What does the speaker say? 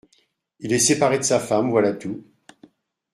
Il est séparé de sa femme, voilà tout.